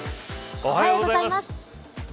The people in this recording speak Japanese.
おはようございます。